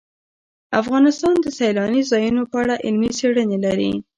افغانستان د سیلاني ځایونو په اړه علمي څېړنې لري.